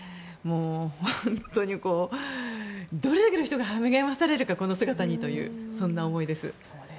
本当にどれだけの人が励まされるかこの姿にというそんな思いです。